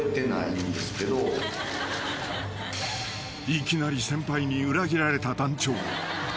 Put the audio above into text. ［いきなり先輩に裏切られた団長］